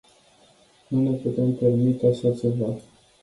Nu ne putem permite așa ceva.